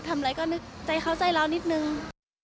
ทำอะไรก็นึกใจเขาใจเรานิดนึง